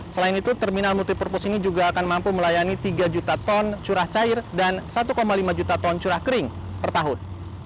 selain itu terminal multipurpose ini juga akan mampu melayani tiga juta ton curah cair dan satu lima juta ton curah kering per tahun